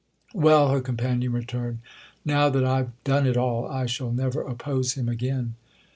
"Well," her companion returned, "now that I've done it all I shall never oppose him again!"